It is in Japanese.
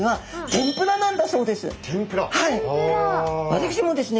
私もですね